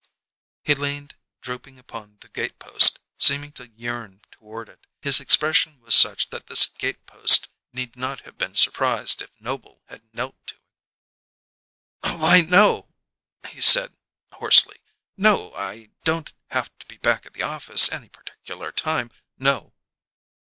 He leaned, drooping, upon the gatepost, seeming to yearn toward it; his expression was such that this gatepost need not have been surprised if Noble had knelt to it. "Why, no," he said hoarsely. "No, I don't have to be back at the office any particular time. No."